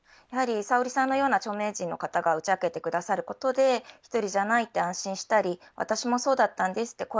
やはりＳａｏｒｉさんのような著名人の方が打ち明けてくださることで１人じゃないって安心したり私もそうだったんですって